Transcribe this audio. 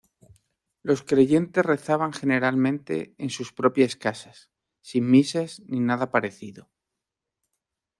Los creyentes rezaban generalmente en sus propias casas, sin misas ni nada parecido.